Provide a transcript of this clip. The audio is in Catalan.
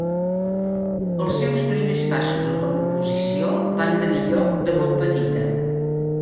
Els seus primers passos en la composició van tenir lloc de molt petita.